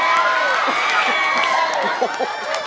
แหง